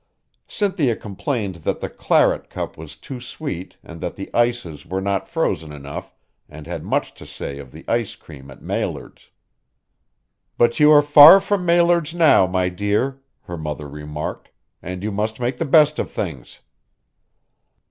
Cynthia complained that the claret cup was too sweet and that the ices were not frozen enough and had much to say of the ice cream at Maillard's. "But you are far from Maillard's now, my dear," her mother remarked, "and you must make the best of things."